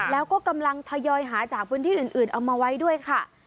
แล้วก็กำลังทยอยหาจากพื้นที่อื่นเอามาไว้ด้วยค่ะ